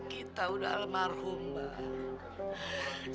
kita udah almarhum mbak